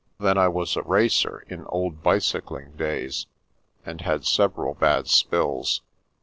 Then I was a racer in old bicycling days, and had several bad spills.